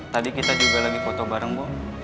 tadi kita juga lagi foto bareng bu